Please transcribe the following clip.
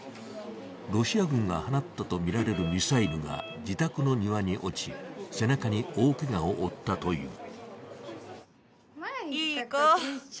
ロシア軍が放ったとみられるミサイルが自宅の庭に落ち、背中に大けがを負ったという。